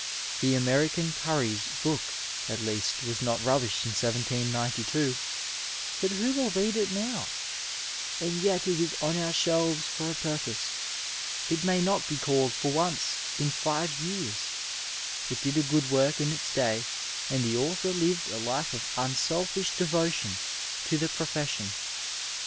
The American Carrie's book at least was not rubbish in 1792, but who will read it now ? And yet it is on our shelves for a purpose. It may not be called for once in five years ; it did a good work in its day, and the author lived a life of unselfish devotion to the profession.